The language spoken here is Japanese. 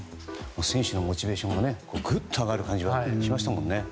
選手のモチベーションが上がる感じがしましたよね。